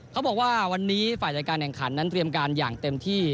เขาบอกว่าวันนี้ฝ่ายจัดการแข่งขันนั้นเตรียมการอย่างเต็มที่